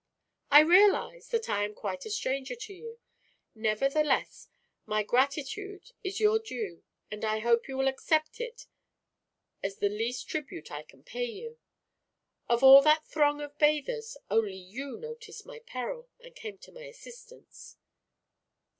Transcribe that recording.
"I realize that. I am quite a stranger to you. Nevertheless, my gratitude is your due and I hope you will accept it as the least tribute I can pay you. Of all that throng of bathers, only you noticed my peril and came to my assistance."